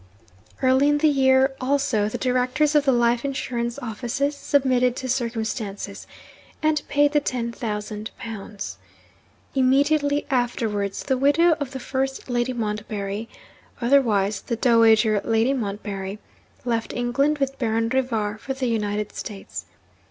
Early in the year, also, the Directors of the life insurance offices submitted to circumstances, and paid the ten thousand pounds. Immediately afterwards, the widow of the first Lord Montbarry (otherwise, the dowager Lady Montbarry) left England, with Baron Rivar, for the United States.